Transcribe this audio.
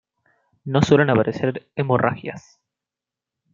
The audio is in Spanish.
No suelen aparecer hemorragias.